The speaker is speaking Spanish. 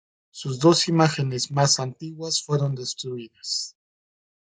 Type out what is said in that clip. Sus dos imágenes más antiguas fueron destruidas.